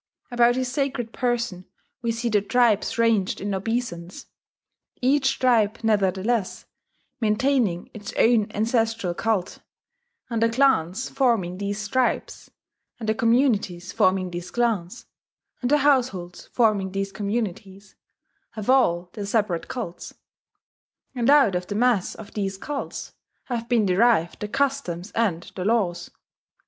About his sacred person, we see the tribes ranged in obeisance, each tribe, nevertheless, maintaining its own ancestral cult; and the clans forming these tribes, and the communities forming these clans, and the households forming these communities, have all their separate cults; and out of the mass of these cults have been derived the customs and the laws.